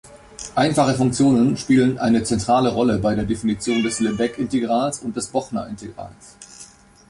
Einfache Funktionen spielen eine zentrale Rolle bei der Definition des Lebesgue-Integrals und des Bochner-Integrals.